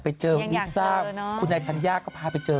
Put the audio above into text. ไปเจอไวซาคุณไอทัลยาก็พาไปเจอ